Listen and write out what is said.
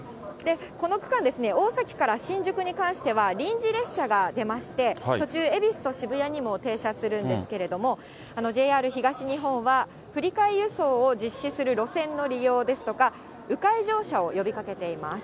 この区間、大崎から新宿に関しては、臨時列車が出まして、途中、恵比寿と渋谷にも停車するんですけれども、ＪＲ東日本は、振り替え輸送を実施する路線の利用ですとか、う回乗車を呼びかけています。